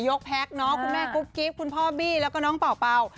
แก๊กเนาะคุณแม่กุ๊บกิ๊บคุณพ่อบี้แล้วก็น้องเป่า